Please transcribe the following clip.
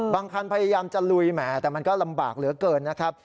คันพยายามจะลุยแหมแต่มันก็ลำบากเหลือเกินนะครับ